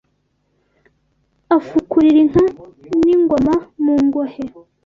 Afukurira inka n’ingoma mu ngohe